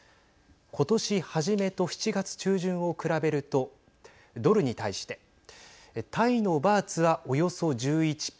今年初めと７月中旬を比べるとドルに対してタイのバーツは、およそ１１％